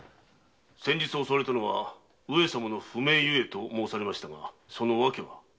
襲われたのは「上様の不明ゆえ」と申されましたがその訳は？